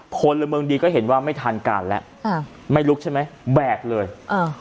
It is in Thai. พลเมืองดีก็เห็นว่าไม่ทันการแล้วอ่าไม่ลุกใช่ไหมแบกเลยอ่า